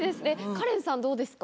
カレンさんどうですか？